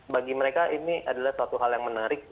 bagi mereka ini adalah suatu hal yang menarik